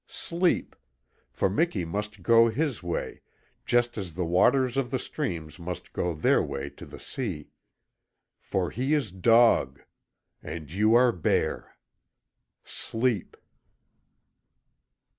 Sleep! For Miki must go his way, just as the waters of the streams must go their way to the sea. For he is Dog. And you are Bear. SLEEP!"